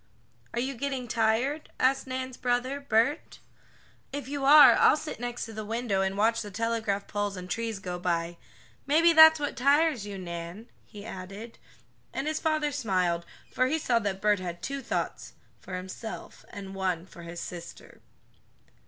"Are you getting tired?" asked Nan's brother Bert. "If you are I'll sit next to the window, and watch the telegraph poles and trees go by. Maybe that's what tires you, Nan," he added, and his father smiled, for he saw that Bert had two thoughts for himself, and one for his sister.